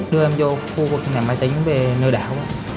đưa em vô khu vực nhà máy tính về nơi đảo